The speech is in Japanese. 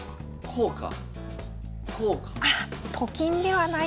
こうか？